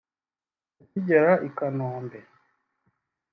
Akigera i Kanombe